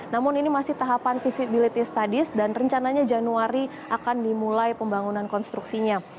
namun ini masih tahapan visibility studies dan rencananya januari akan dimulai pembangunan konstruksinya